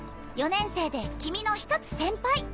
４年生で君の一つ先輩